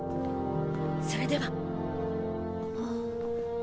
それでは。